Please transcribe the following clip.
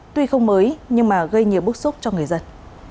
tuy không mới nhưng mà gây nhiều bức xúc cho người dân